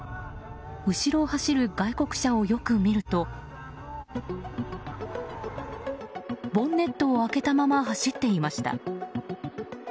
後ろを走る外国車をよく見るとボンネットを開けたまま走っていました。